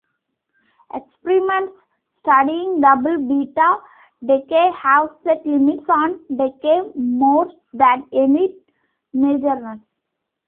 Experiments studying double beta decay have set limits on decay modes that emit majorons.